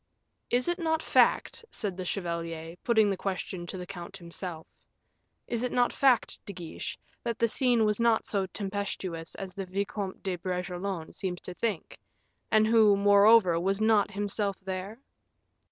"Is it not fact," said the chevalier, putting the question to the count himself, "is it not fact, De Guiche, that the scene was not so tempestuous as the Vicomte de Bragelonne seems to think, and who, moreover, was not himself there?"